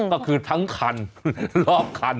ก็คือทั้งคันรอบคัน